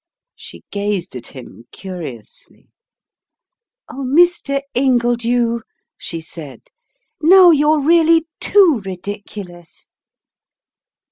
She gazed at him curiously. "Oh, Mr. Ingledew," she said, "now you're really TOO ridiculous!"